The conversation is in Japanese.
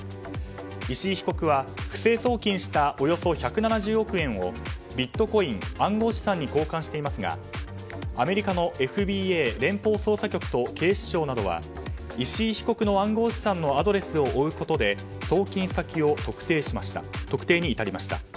石井被告は不正送金したおよそ１７０億円をビットコイン・暗号資産に交換していますがアメリカのＦＢＩ・連邦捜査局と警視庁などは石井被告の暗号資産のアドレスを追うことで送金先の特定に至りました。